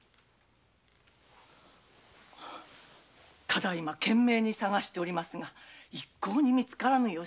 ただいま懸命に捜しておりますが一向に見つからぬ由。